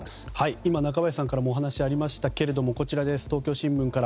今、中林さんからもお話がありましたがこちら、東京新聞から。